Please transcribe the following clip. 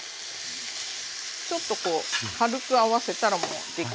ちょっとこう軽く合わせたらもう出来上がりです。